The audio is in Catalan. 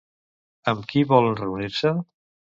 Amb qui volen reunir-se?